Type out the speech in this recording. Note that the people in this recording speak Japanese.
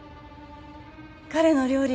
彼の料理